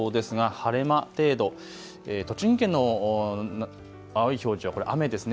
晴れ間程度、栃木県の青い表示はこれ雨ですね。